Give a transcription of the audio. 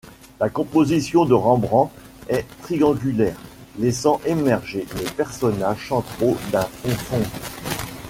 La composition de Rembrandt est triangulaire, laissant émerger les personnages centraux d'un fond sombre.